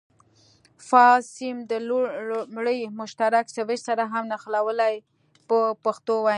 فاز سیم د لومړني مشترک سویچ سره هم ونښلوئ په پښتو وینا.